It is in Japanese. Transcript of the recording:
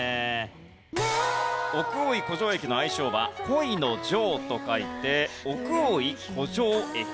奥大井湖上駅の愛称は「恋」の「錠」と書いて奥大井恋錠駅。